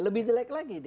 lebih jelek lagi dia